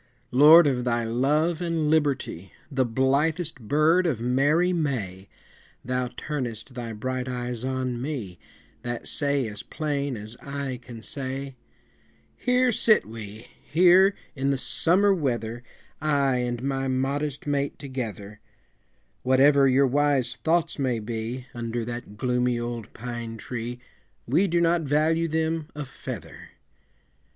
Lord of thy love and liberty, The blithest bird of merry May, Thou turnest thy bright eyes on me, That say as plain as eye can say "Here sit we, here in the summer weather, I and my modest mate together; Whatever your wise thoughts may be, Under that gloomy old pine tree, We do not value them a feather."